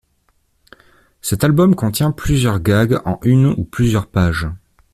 Cet album contient plusieurs gags en une ou plusieurs pages.